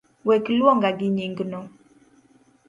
Wek luonga gi nyingno